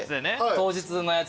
当日のやつで。